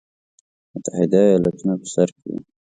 متحده ایالتونه په سر کې وو.